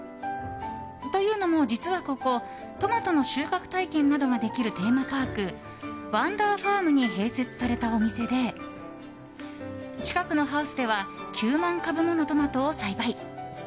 というのも、実はここトマトの収穫体験などができるテーマパークワンダーファームに併設されたお店で近くのハウスでは９万株ものトマトを栽培。